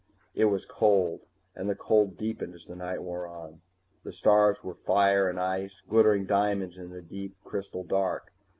It was cold, and the cold deepened as the night wore on. The stars were fire and ice, glittering diamonds in the deep crystal dark.